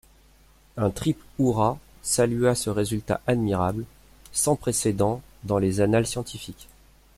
Un triple hurrah salua ce résultat admirable, sans précédent dans les annales scientifiques!